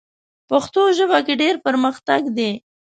پښتو ژبه کې ډېر پرمختګ دی.